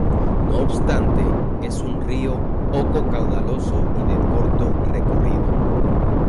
No obstante, es un río poco caudaloso y de corto recorrido.